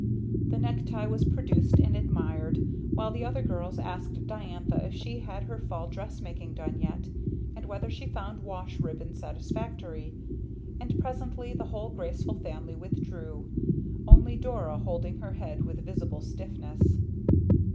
The necktie was produced and admired, while the other girls asked Diantha if she had her fall dressmaking done yet and whether she found wash ribbon satisfactory. And presently the whole graceful family withdrew, only Dora holding her head with visible stiffness.